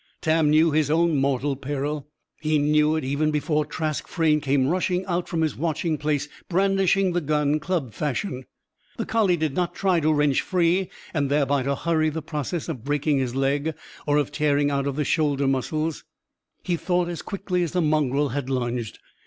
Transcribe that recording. Tam knew his own mortal peril. He knew it even before Trask Frayne came rushing out from his watching place, brandishing the gun, club fashion. The collie did not try to wrench free and thereby to hurry the process of breaking his leg or of tearing out the shoulder muscles. He thought, as quickly as the mongrel had lunged.